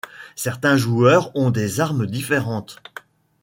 Certains joueurs ont des armes différentes.